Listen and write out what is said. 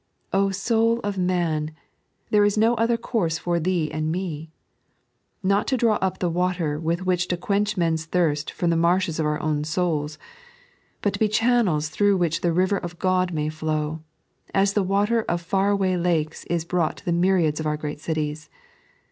soul of man, there is no other course for thee and me ! Not to draw up the water with which to quench men's thirst from the marshes of our own souls, but to be channels through which the river of God may flow, as tbe water of far>away lakes is brought to the myriads of our great cities.